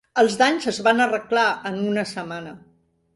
Els danys es van arreglar en una setmana.